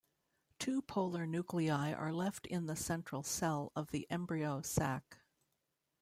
Two polar nuclei are left in the central cell of the embryo sac.